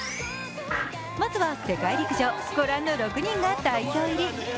まずは、世界陸上ご覧の６人が代表入り。